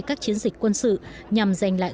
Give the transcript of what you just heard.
các chiến dịch quân sự nhằm giành lại